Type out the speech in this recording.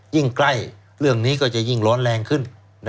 ใกล้เรื่องนี้ก็จะยิ่งร้อนแรงขึ้น